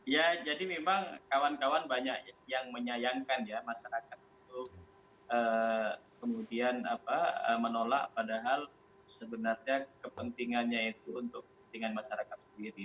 ya jadi memang kawan kawan banyak yang menyayangkan ya masyarakat itu kemudian menolak padahal sebenarnya kepentingannya itu untuk kepentingan masyarakat sendiri